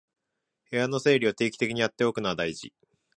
部屋の整理を定期的にやっておくのは大事